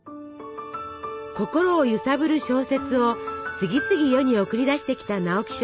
心を揺さぶる小説を次々世に送り出してきた直木賞作